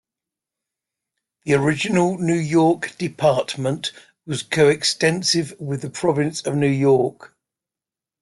The original New York Department was coextensive with the Province of New York.